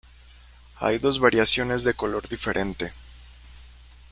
Hay dos variaciones de color diferente.